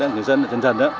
người dân dần dần